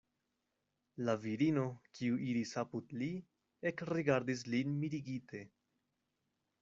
La virino, kiu iris apud li, ekrigardis lin mirigite.